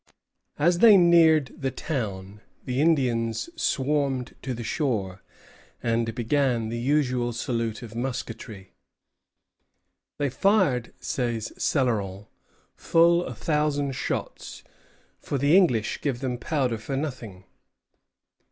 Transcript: As they neared the town, the Indians swarmed to the shore, and began the usual salute of musketry. "They fired," says Céloron, "full a thousand shots; for the English give them powder for nothing."